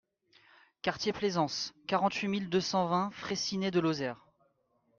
Quartier Plaisance, quarante-huit mille deux cent vingt Fraissinet-de-Lozère